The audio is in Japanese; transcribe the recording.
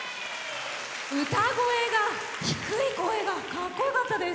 歌声が低い声がかっこよかったです。